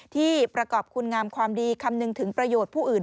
ที่ประกอบคุณงามความดีคำนึงถึงประโยชน์ผู้อื่น